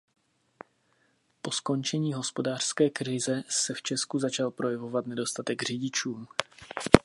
Po skončení hospodářské krize se v Česku začal projevovat nedostatek řidičů.